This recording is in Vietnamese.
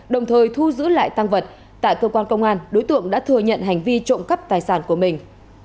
đồng thời thu giữ lại tăng vật tại cơ quan công an đối tượng đã thừa nhận hành vi trộm cắp tài sản của mình